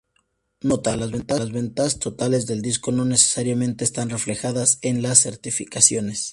Nota: "Las ventas totales del disco no necesariamente están reflejadas en las certificaciones.